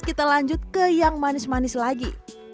kita lanjut ke yang manis manis lagi